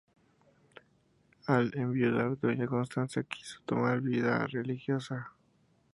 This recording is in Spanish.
Al enviudar doña Constanza quiso tomar vida religiosa.